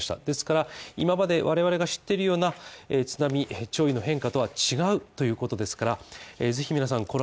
ですから、今まで我々が知っているような津波潮位の変化とは違うということですからぜひ皆さん